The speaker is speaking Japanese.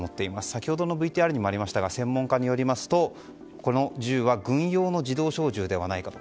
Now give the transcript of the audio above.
先ほどのＶＴＲにもありましたが専門家によりますとこの銃は軍用の自動小銃ではないかと。